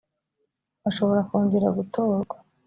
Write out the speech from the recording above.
bashobora kongera gutorwa .